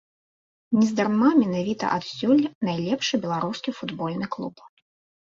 Нездарма менавіта адсюль найлепшы беларускі футбольны клуб.